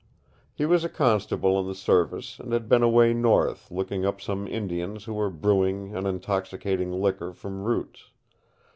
He was a constable in the Service and had been away North looking up some Indians who were brewing an intoxicating liquor from roots.